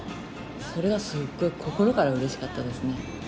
それがすっごい心からうれしかったですね。